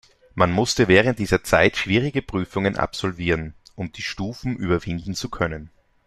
Man musste während dieser Zeit schwierige Prüfungen absolvieren, um die Stufen überwinden zu können.